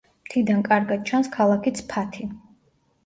მთიდან კარგად ჩანს ქალაქი ცფათი.